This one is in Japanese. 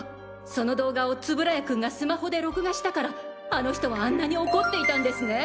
その動画を円谷君がスマホで録画したからあの人はあんなに怒っていたんですね？